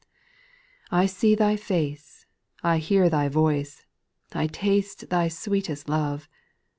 7. I see Thy face, I hear Thy voice, I taste Thy sweetest love.